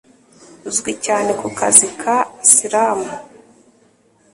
uzwi cyane ku kazi ka 'Slam'